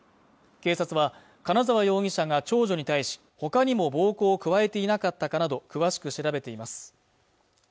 警察は金沢容疑者が長女に対しほかにも暴行を加えていなかったかなど詳しく調べています